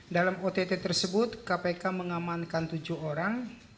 dalam ott tersebut kpk mengamankan tujuh orang